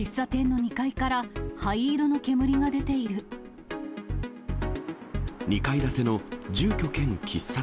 ２階建ての住居兼喫茶店。